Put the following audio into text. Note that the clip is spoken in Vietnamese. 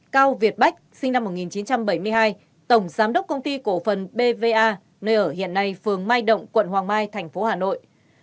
cao việt bách sinh năm một nghìn chín trăm bảy mươi hai tổng giám đốc công ty cổ phần bva nơi ở hiện nay phường mai động quận hoàng mai tp hà nội